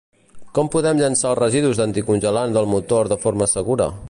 Com podem llençar els residus d'anticongelant del motor de forma segura?